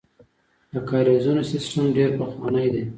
د کاریزونو سیسټم ډیر پخوانی دی